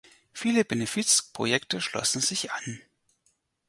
Viele Benefiz-Projekte schlossen sich an.